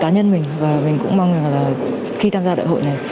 tán nhân mình và mình cũng mong là khi tham gia đại hội này